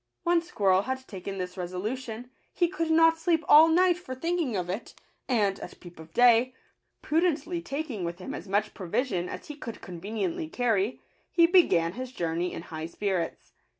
When Squirrel had taken this resolution, he could not sleep all night for thinking of it; and, at peep of day, prudently taking with him as much provision as he could con veniently carry, he began his journey in high spirits.